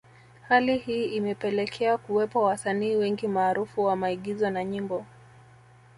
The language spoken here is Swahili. Hali hii imepelekea kuwepo wasanii wengi maarufu wa maigizo na nyimbo